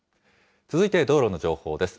続いて道路の情報です。